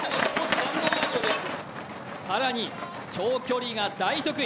更に、長距離が大得意。